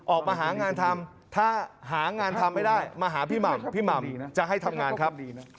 ออกมาหางานทำถ้าหางานทำไม่ได้มาหาพี่หม่ำพี่หม่ำจะให้ทำงานครับ